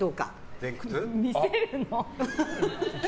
見せるの？